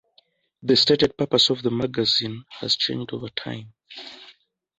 The stated purpose of the magazine has changed over time.